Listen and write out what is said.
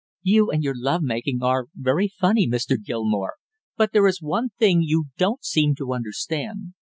"You and your love making are very funny, Mr. Gilmore; but there is one thing you don't seem to understand.